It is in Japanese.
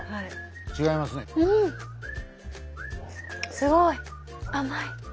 すごい！甘い。